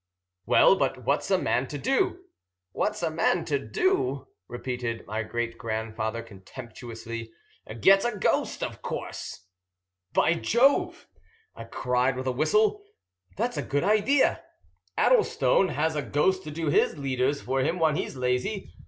"Well, but what's a man to do?" "What's a man to do?" repeated my great grandfather contemptuously. "Get a ghost, of course." "By Jove!" I cried with a whistle. "That's a good idea! Addlestone has a ghost to do his leaders for him when he's lazy.